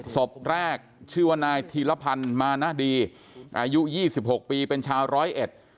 ศพแรกชื่อว่านายธีรพันธ์มานาดีอายุยี่สิบหกปีเป็นชาวร้อยเอ็ด